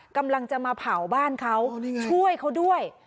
กำลังจะมาเผาบ้านเขาช่วยเขาด้วย